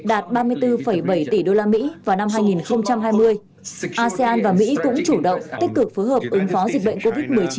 asean và mỹ cũng chủ động tích cực phối hợp ứng phó dịch bệnh covid một mươi chín